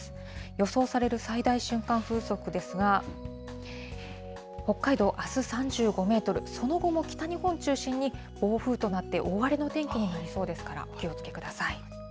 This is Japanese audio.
予想される最大瞬間風速ですが、北海道、あす３５メートル、その後も北日本中心に暴風となって、大荒れの天気になりそうですから、お気をつけください。